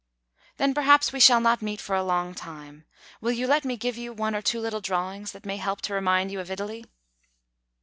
"Then perhaps we shall not meet for a long time. Will you let me give you one or two little drawings that may help to remind you of Italy?"